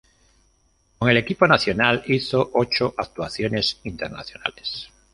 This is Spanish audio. Con el equipo nacional hizo ocho actuaciones internacionales.